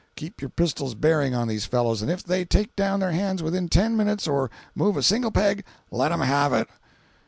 Keep your pistols bearing on these fellows, and if they take down their hands within ten minutes, or move a single peg, let them have it!"